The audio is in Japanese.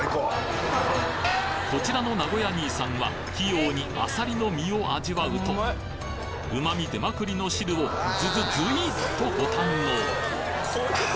こちらの名古屋兄さんは器用にあさりの身を味わうと旨味出まくりの汁をずずずいっとご堪能